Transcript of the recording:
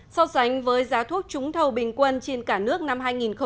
so sánh với giá thuốc trúng thầu bình quân trên cả nước năm hai nghìn một mươi chín